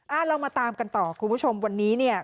เรามาตามกันต่อคุณผู้ชมวันนี้เนี่ย